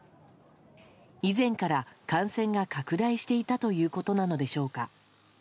以前から感染が拡大していたということなのでしょうか。